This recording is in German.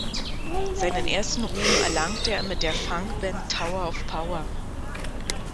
Seinen ersten Ruhm erlangte er mit der Funk Band Tower of Power.